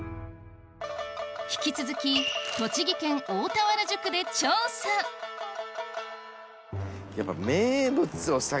引き続き栃木県大田原宿で調査やっぱ。